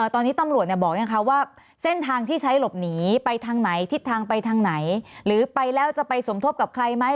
ตอนนี้ตำรวจบอกยังคะว่าเส้นทางที่ใช้หลบหนีไปทางไหนทิศทางไปทางไหนหรือไปแล้วจะไปสมทบกับใครไหม